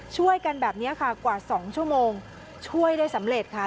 ช่วยกันแบบนี้ค่ะกว่า๒ชั่วโมงช่วยได้สำเร็จค่ะ